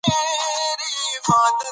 ونې د باران په جذب کې مرسته کوي.